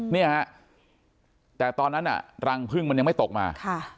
เนี่ยฮะแต่ตอนนั้นรังพึ่งมันยังไม่ตกมา